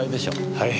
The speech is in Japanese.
はい。